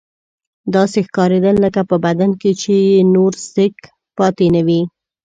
داسې ښکارېدل لکه په بدن کې چې یې نور سېک پاتې نه وي.